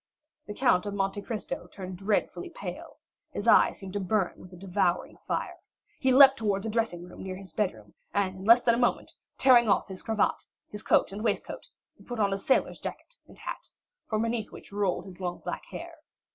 The Count of Monte Cristo turned dreadfully pale; his eye seemed to burn with a devouring fire. He leaped towards a dressing room near his bedroom, and in less than a moment, tearing off his cravat, his coat and waistcoat, he put on a sailor's jacket and hat, from beneath which rolled his long black hair.